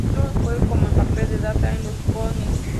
Otro fue como el padre de "Data" en "Los Goonies".